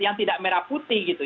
yang tidak merah putih gitu